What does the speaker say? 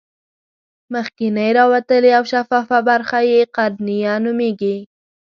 مخکینۍ راوتلې او شفافه برخه یې قرنیه نومیږي.